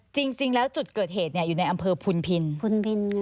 จริงแล้วจุดเกิดเหตุอยู่ในอำเภอภูนิพิน